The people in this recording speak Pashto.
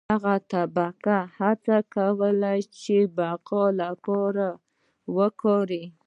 دغه طبقې هڅه کوله خپلې بقا لپاره وکاروي.